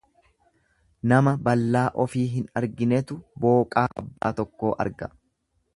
Nama ballaa ofii hin arginetu booqaa abbaa tokkoo arga.